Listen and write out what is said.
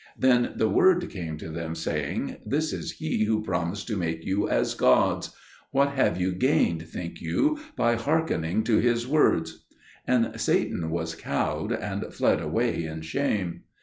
Then the Word came to them, saying, "This is he who promised to make you as gods. What have you gained, think you, by hearkening to his words?" And Satan was cowed, and fled away in shame.